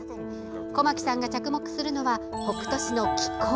小牧さんが着目するのは北杜市の気候。